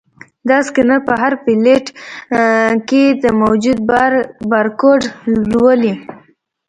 دا سکینر په هر پلیټ کې د موجود بار بارکوډ لولي.